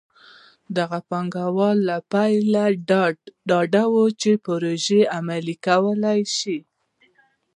دغه پانګوال له پیله ډاډه وو چې پروژې عملي کولی شي.